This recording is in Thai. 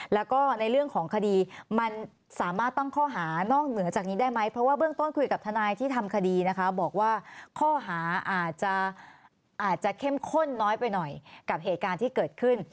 แล้วก็ในเรื่องของคดีมันสามารถตั้งข้อหานอกเหนือจากนี้ได้ไหมเพราะว่าเบื้องต้นคุยกับทนายที่ทำคดีนะคะบอกว่าข้อหาอาจจะเข้มข้นน้อยไปหน่อยกับเหตุการณ์ที่เกิดขึ้น